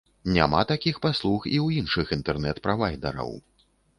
Няма такіх паслуг і ў іншых інтэрнэт-правайдараў.